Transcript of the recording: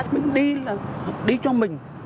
mình đi là đi cho mình